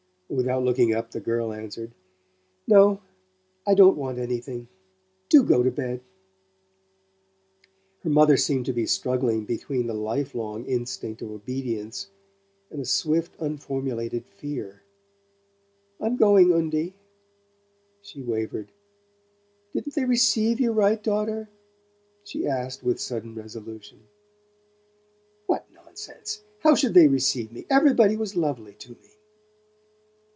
Without looking up the girl answered: "No. I don't want anything. Do go to bed." Her mother seemed to be struggling between the life long instinct of obedience and a swift unformulated fear. "I'm going, Undie." She wavered. "Didn't they receive you right, daughter?" she asked with sudden resolution. "What nonsense! How should they receive me? Everybody was lovely to me."